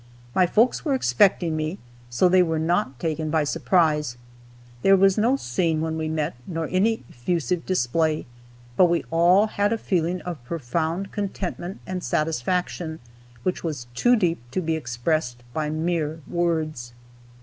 My folks were expecting me, so they were not taken by surprise. There was no "scene" when we met, nor any effusive display, but we all had a feeling of profound contentment and satisfaction which was too deep to be expressed by mere words.